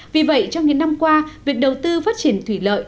vì vậy trong những năm qua việc đầu tư phát triển thủy lợi